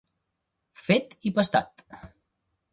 Fet i pastat.